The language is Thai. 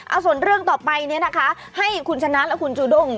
เอาส่วนเรื่องต่อไปเนี่ยนะคะให้คุณชนะและคุณจูด้ง